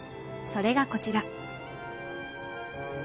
それがこちら。